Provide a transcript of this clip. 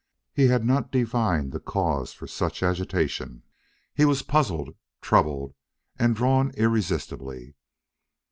He had not divined the cause for such agitation. He was puzzled, troubled, and drawn irresistibly.